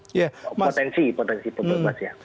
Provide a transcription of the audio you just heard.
potensi potensi bubble brush ya